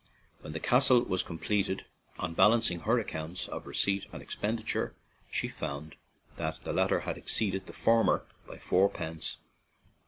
When the castle was completed, on balancing her accounts of receipt and expenditure, she found that the latter exceeded the former by four pence.